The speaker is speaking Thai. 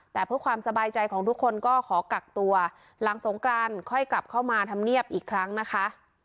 แต่เพื่อความสบายใจของทุกคนก็ขอกักตัวหลังสงกรานค่อยกลับเข้ามาธรรมเนียบอีกครั้งนะคะ